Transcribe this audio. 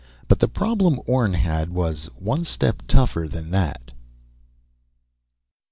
But the problem Orne had was one step tougher than that!